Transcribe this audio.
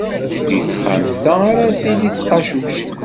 Deg texxamt-a ara d-tili tqacuct.